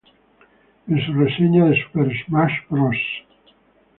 En su reseña de Super Smash Bros.